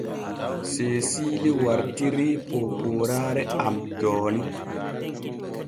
Seesiili wartirii poopooraare am jooni.